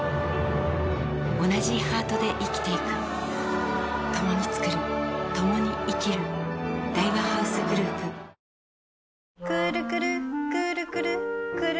おなじハートで生きていく共に創る共に生きる大和ハウスグループくるくる